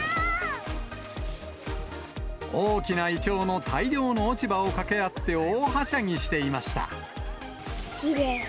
大きなイチョウの大量の落ち葉をかけ合って、大はしゃぎしていまきれい。